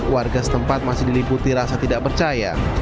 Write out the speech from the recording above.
warga setempat masih diliputi rasa tidak percaya